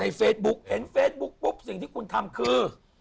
เฟซบุ๊กเห็นเฟซบุ๊กปุ๊บสิ่งที่คุณทำคือ